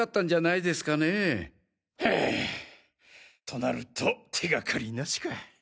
となると手掛かりなしか。